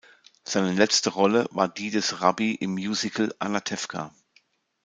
Seine letzte Rolle war die des Rabbi im Musical "Anatevka".